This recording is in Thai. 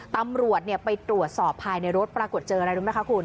ตำรวจไปตรวจสอบภายในรถปรากฏเจออะไรรู้ไหมคะคุณ